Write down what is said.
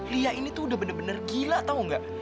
lia ini tuh udah bener bener gila tau gak